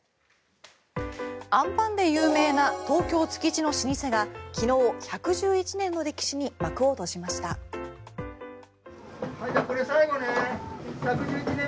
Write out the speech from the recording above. あんパンで有名な東京・築地の老舗が昨日１１１年の歴史に幕を閉じました。